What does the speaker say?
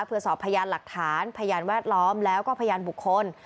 เพื่อสอบพยานหลักฐานพยานแวดล้อมแล้วก็พยานบุคคล